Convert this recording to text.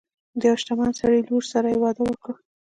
د یو شتمن سړي لور سره یې واده وکړ.